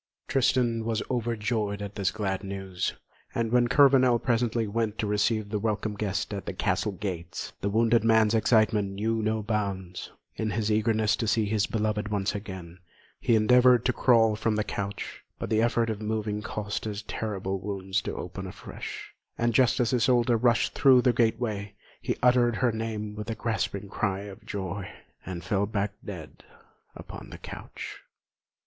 Tristan was overjoyed at this glad news, and when Kurvenal presently went to receive the welcome guest at the castle gates, the wounded man's excitement knew no bounds. In his eagerness to see his beloved one once again, he endeavoured to crawl from the couch; but the effort of moving caused his terrible wounds to open afresh, and just as Isolda rushed through the gateway, he uttered her name with a gasping cry of joy, and fell back dead upon the couch.